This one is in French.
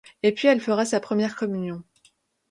Et puis elle fera sa première communion.